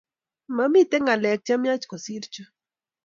Mamiten ngalek che miach kosiir chu